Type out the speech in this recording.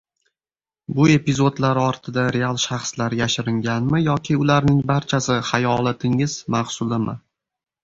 Bu epizodlar ortida real shaxslar yashiringanmi yoki ularning barchasi xayolotingiz mahsulimi?